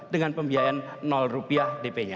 dengan pembiayaan rupiah dp nya